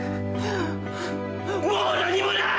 もう何もない！